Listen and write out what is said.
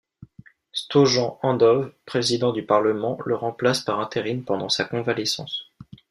Stojan Andov, président du Parlement le remplace par intérim pendant sa convalescence.